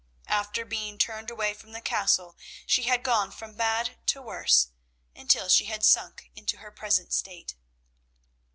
After being turned away from the Castle, she had gone from bad to worse, until she had sunk into her present state.